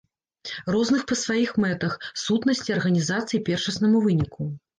Розных па сваіх мэтах, сутнасці, арганізацыі і першаснаму выніку.